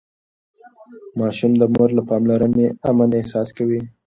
ماشوم د مور له پاملرنې امن احساس کوي.